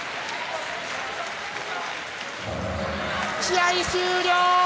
試合終了！